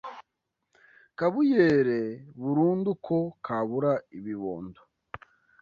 Kabuyere burundu Ko kabura ibibondo